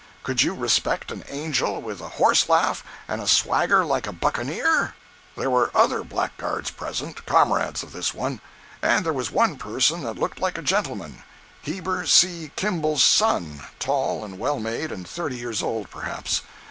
Could you respect an Angel with a horse laugh and a swagger like a buccaneer? 106.jpg (47K) There were other blackguards present—comrades of this one. And there was one person that looked like a gentleman—Heber C. Kimball's son, tall and well made, and thirty years old, perhaps.